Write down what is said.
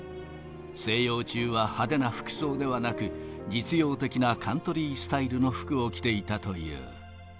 静養中は派手な服装ではなく、実用的なカントリースタイルの服を着ていたという。